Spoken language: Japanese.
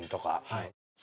はい。